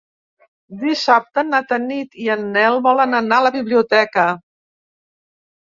Dissabte na Tanit i en Nel volen anar a la biblioteca.